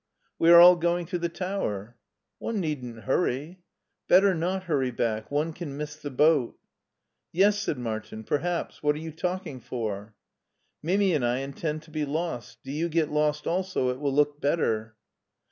^* We are all going to the tower." ^' One needn't hurry." '* Better not hurry back ; one can miss the boat" ^*Yes," said Martin, "perhaps. What arc you talking for?" "Mimi and I intend to be lost; do you get lost also, it will look better."